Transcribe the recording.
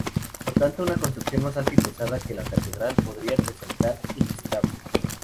Por tanto, una construcción más alta y pesada que la Catedral podría resultar inestable.